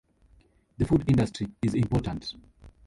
The food industry is important.